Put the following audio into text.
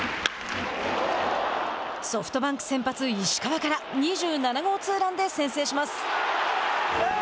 ソフトバンク先発石川から２７号ツーランで先制します。